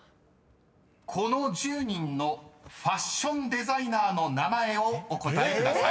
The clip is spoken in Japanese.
［この１０人のファッションデザイナーの名前をお答えください］